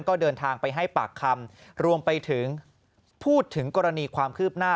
ก็เดินทางไปให้ปากคำรวมไปถึงพูดถึงกรณีความคืบหน้า